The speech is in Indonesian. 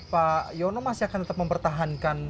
pak yono masih akan tetap mempertahankan